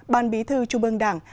bàn bí thư chung bương đảng